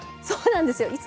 そうなんですよ！